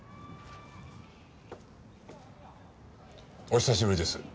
お久しぶりです。